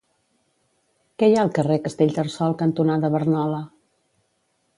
Què hi ha al carrer Castellterçol cantonada Barnola?